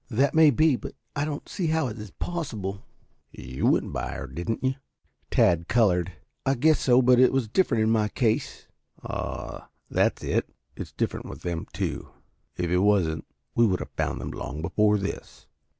"That may be, but I do not see how it is possible." "You went by her, didn't you?" Tad colored. "I guess so. But it was different in my case." "Ah, that's it. It's different with them, too. If it wasn't, we would have found them long before this."